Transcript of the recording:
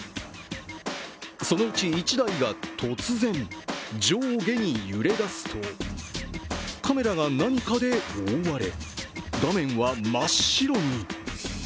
そのうち１台が、突然上下に揺れだすと、カメラが何かで覆われ画面は真っ白に。